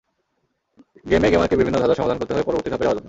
গেমে গেমারকে বিভিন্ন ধাঁধার সমাধান করতে হবে পরবর্তী ধাপে যাওয়ার জন্য।